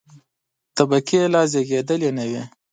طبقې لا زېږېدلې نه وې.